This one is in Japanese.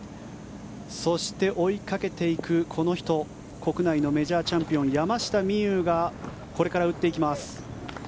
そして、追いかけていくこの人国内のメジャーチャンピオン山下美夢有がこれから打っていきます。